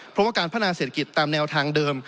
เพราะว่าการพัฒนาเศรษฐกิจตามแนวทางเดิม